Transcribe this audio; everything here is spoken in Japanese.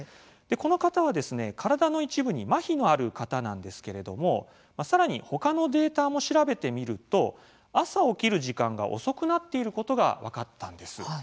この方は、体の一部にまひのある方なんですけれどもさらにほかのデータも調べてみると朝、起きる時間が遅くなっていることが分かったんです。